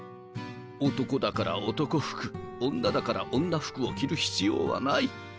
男だから男服女だから女服を着る必要はない。